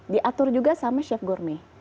diatur juga sama chef gurmy